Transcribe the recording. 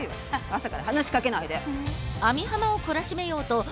朝から話しかけないで。